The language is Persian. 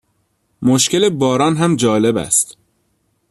مشکل باران هم جالب است.